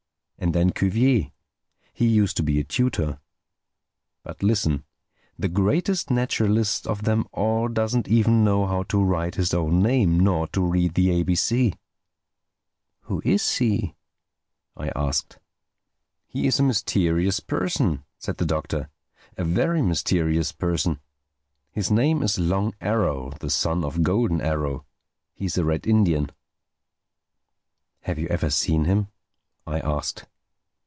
And then Cuvier—he used to be a tutor. But listen, the greatest naturalist of them all doesn't even know how to write his own name nor to read the A B C." "Who is he?" I asked. "He is a mysterious person," said the Doctor—"a very mysterious person. His name is Long Arrow, the son of Golden Arrow. He is a Red Indian." "Have you ever seen him?" I asked.